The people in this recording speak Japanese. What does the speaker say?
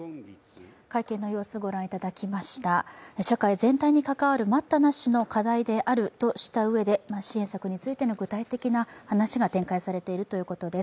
社会全体に関わる待ったなしの課題であるとしたうえで、支援策についての具体的な話が展開されているということです。